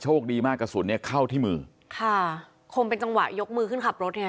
ดีมากกระสุนเนี่ยเข้าที่มือค่ะคงเป็นจังหวะยกมือขึ้นขับรถไง